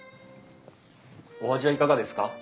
お味はいかがですか？